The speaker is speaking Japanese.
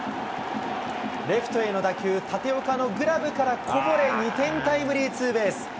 レフトへの打球、たておかのグラブからこぼれ、２点タイムリーツーベース。